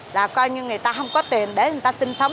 là coi như người ta không có tiền để người ta sinh sống